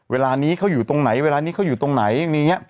เวลานี้เขาอยู่ตรงไหนอย่างนี้